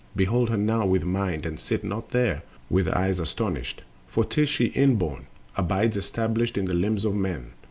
Behold her now with mind, and sit not there With eyes astonished, for 'tis she inborn Abides established in the limbs of men.